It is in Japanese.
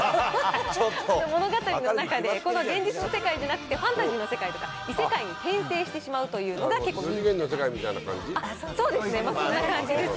物語の中で、この現実の世界じゃなくてファンタジーの世界とか、異世界に転生してしまうというのが結構、人気なんです。